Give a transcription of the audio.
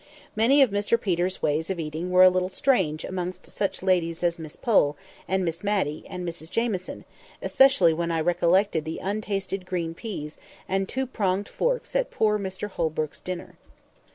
Many of Mr Peter's ways of eating were a little strange amongst such ladies as Miss Pole, and Miss Matty, and Mrs Jamieson, especially when I recollected the untasted green peas and two pronged forks at poor Mr Holbrook's dinner.